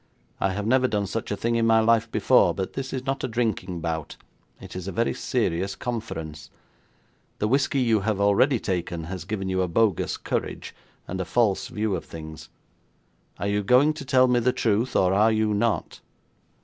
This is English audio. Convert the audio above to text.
I have never done such a thing in my life before, but this is not a drinking bout; it is a very serious conference. The whisky you have already taken has given you a bogus courage, and a false view of things. Are you going to tell me the truth, or are you not?'